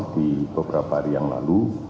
di beberapa hari yang lalu